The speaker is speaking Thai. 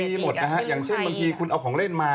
มีหมดนะฮะอย่างเช่นบางทีคุณเอาของเล่นมา